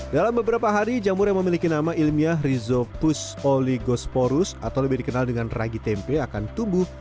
dalam beberapa hari jamur yang memiliki nama ilmiah rhizopus oligosporus atau lebih dikenal dengan ragi tempe akan tumbuh